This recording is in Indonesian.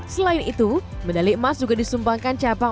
selain itu medali emas juga disumpangkan capang